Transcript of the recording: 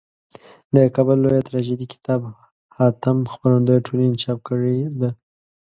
دکابل لویه تراژیدي کتاب حاتم خپرندویه ټولني چاپ کړیده.